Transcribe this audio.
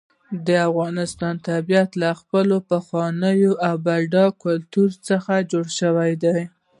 د افغانستان طبیعت له خپل پخواني او بډایه کلتور څخه جوړ شوی دی.